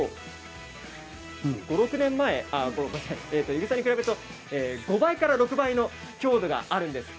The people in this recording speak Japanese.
いぐさに比べると５倍から６倍の強度があるんです。